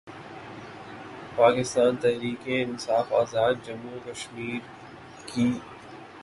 اکستان تحریک انصاف آزادجموں وکشمیر کی